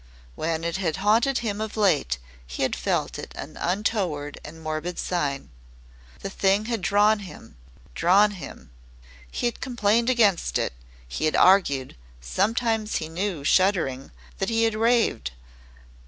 When it had haunted him of late he had felt it an untoward and morbid sign. The thing had drawn him drawn him; he had complained against it, he had argued, sometimes he knew shuddering that he had raved.